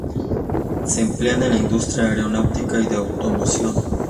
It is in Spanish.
Se emplean en la industria aeronáutica y de automoción.